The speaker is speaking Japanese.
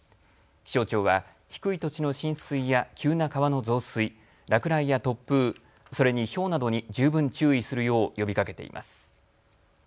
気象庁は低い土地の浸水や急な川の増水、落雷や突風、それにひょうなどに十分注意するよう呼びかけています。